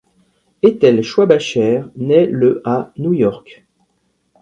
Ethel Schwabacher naît le à New York.